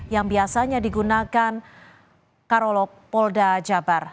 yang biasanya digunakan karolog polda jabar